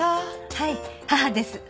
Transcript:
はい母です。